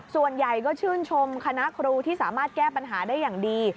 ส่วนใหญ่ก็ชื่นชมคณะครูที่สามารถแก้ปัญหาได้อย่างดี